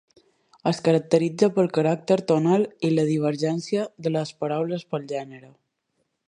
Es caracteritza pel caràcter tonal i la divergència de les paraules pel gènere.